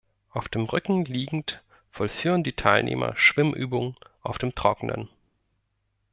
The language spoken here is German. Auf dem Rücken liegend vollführen die Teilnehmer Schwimmübungen auf dem Trockenen.